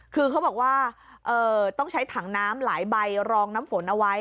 คือเขาบอกว่าต้องใช้ถังน้ำหลายใบรองน้ำฝนเอาไว้